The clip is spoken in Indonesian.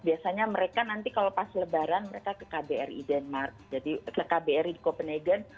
biasanya mereka nanti kalau pas lebaran mereka ke kbri di copenhagen